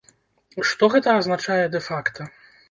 Што гэта азначае дэ-факта?